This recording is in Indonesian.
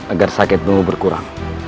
agar sakitmu berkurang